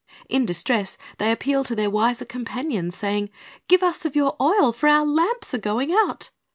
In distress they appeal to their wiser companions, saying, "Give us of your oil; for our lamps are going out."